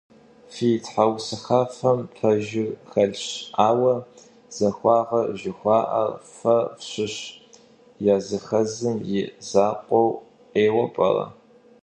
Фи тхьэусыхафэхэм пэжыр хэлъщ, ауэ захуагъэ жыхуаӀэр фэ фщыщ языхэзым и закъуэу ейуэ пӀэрэ?